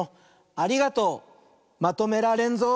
ありがとうまとめられんぞう。